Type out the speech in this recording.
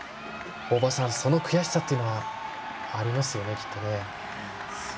その悔しさというのはありますよね、きっとね。